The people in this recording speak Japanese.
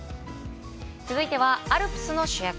続いてはアルプスの主役。